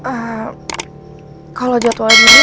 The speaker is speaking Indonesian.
ehm kalau jadwal dulu gimana bisa gak